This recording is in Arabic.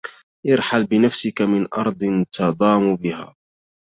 ارحل بنفسك من أرض تضام بها